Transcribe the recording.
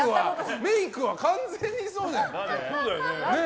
メイクは完全にそうじゃない。